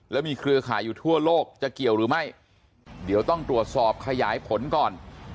แล้วมีเครือข่ายอยู่ทั่วโลกจะเกี่ยวหรือไม่เดี๋ยวต้องตรวจสอบขยายผลก่อน